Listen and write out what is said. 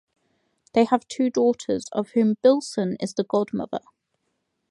They have two daughters, of whom Bilson is the godmother.